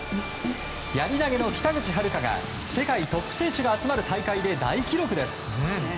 やり投げの北口榛花が世界トップ選手が集まる大会で大記録です！